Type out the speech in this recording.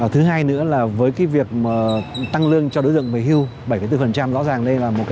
thứ hai nữa là với cái việc tăng lương cho đối tượng về hưu bảy bốn rõ ràng đây là một cái đối tượng